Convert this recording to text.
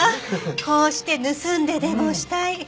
こうして盗んででもしたい。